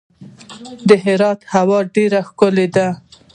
د هرات هوا ډیره ښکلې وه.